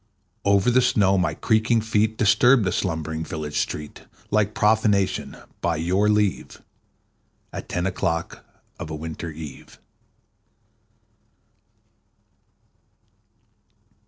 Over the snow my creaking feet Disturbed the slumbering village street Like profanation, by your leave, At ten o'clock of a winter eve.